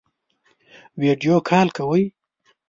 ویډیو کال کوئ؟